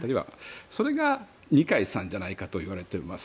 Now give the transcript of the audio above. それが二階さんじゃないかといわれています。